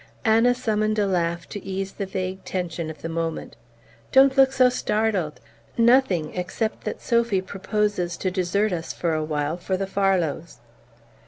Anna summoned a laugh to ease the vague tension of the moment. "Don't look so startled! Nothing, except that Sophy proposes to desert us for a while for the Farlows."